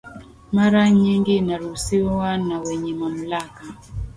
mara nyingi inaruhusiwa na wenye mamlaka